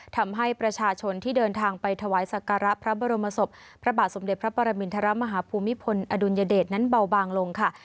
ทำให้ประชาชนที่เดินทางไปถวายสักการะพระบรมศพพระบาทสมเด็จพระปรมินทรมาฮภูมิพลอดุลยเดชนั้นเบาบางลงค่ะ